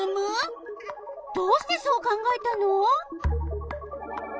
どうしてそう考えたの？